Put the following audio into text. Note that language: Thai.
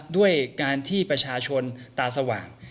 ด้วยการที่ประชาชนตาสว่าง